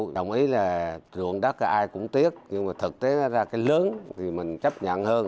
đồng ý là ruộng đất ai cũng tiếc nhưng mà thực tế ra cái lớn thì mình chấp nhận hơn